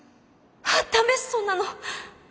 ダメそんなの。